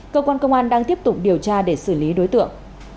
cơ quan công an đang tiếp tục điều tra để xử lý đối tượng